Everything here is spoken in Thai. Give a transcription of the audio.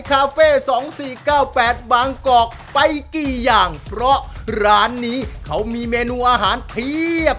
คาเฟ่๒๔๙๘บางกอกไปกี่อย่างเพราะร้านนี้เขามีเมนูอาหารเพียบ